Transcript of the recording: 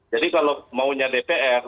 jadi kalau maunya dpr